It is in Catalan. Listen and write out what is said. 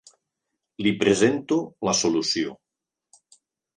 Li presento la solució.